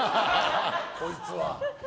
こいつは。